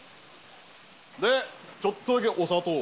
でちょっとだけお砂糖を。